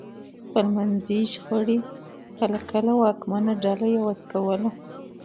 خپلمنځي شخړې کله کله واکمنه ډله عوض کوله.